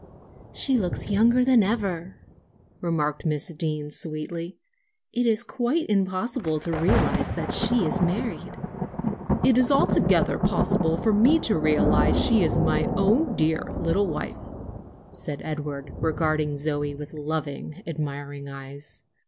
"She looks younger than ever," remarked Miss Deane, sweetly. "It is quite impossible to realize that she is married." "It is altogether possible for me to realize that she is my own dear little wife," said Edward, regarding Zoe with loving, admiring eyes.